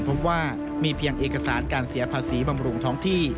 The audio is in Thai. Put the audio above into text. พบว่ามีเพียงเอกสารการเสียภาษีบำรุงท้องที่